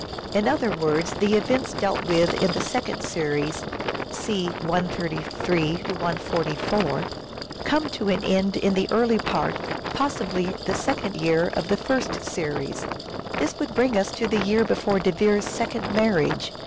In other words, the events dealt with in the second series (see 133 144) come to an end in the early part, possibly the second year, of the first series. This would bring us to the year before De Vere's second marriage.